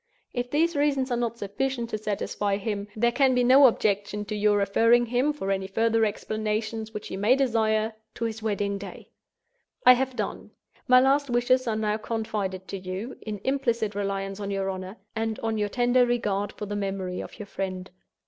If these reasons are not sufficient to satisfy him, there can be no objection to your referring him, for any further explanations which he may desire, to his wedding day. "I have done. My last wishes are now confided to you, in implicit reliance on your honor, and on your tender regard for the memory of your friend.